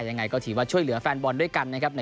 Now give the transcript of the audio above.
ยังไงก็สูญเหลี่ยวแฟนบอลด้วยกันนะครับ